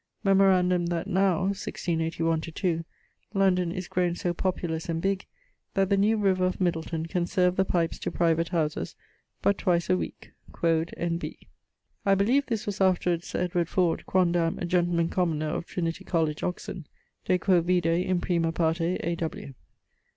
Memorandum that now (1681/2) London is growne so populous and big that the new river of Middleton can serve the pipes to private houses but twice a weeke, quod N. B. I beleeve this was afterwards Sir Edward Ford, quondam a gentleman commoner of Trinity College, Oxon: de quo vide in prima parte A. W.